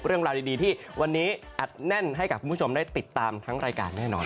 เรื่องราวดีที่วันนี้อัดแน่นให้กับคุณผู้ชมได้ติดตามทั้งรายการแน่นอน